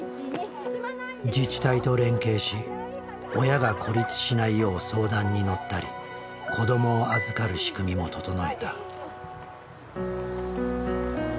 自治体と連携し親が孤立しないよう相談に乗ったり子どもを預かる仕組みも整えた。